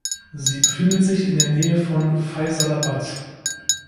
Sie befindet sich in der Nähe von Faisalabad.